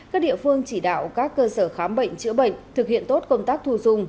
các địa phương chỉ đạo các cơ sở khám bệnh chữa bệnh thực hiện tốt công tác thu dung